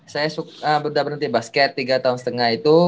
saya sudah berhenti basket tiga tahun setengah itu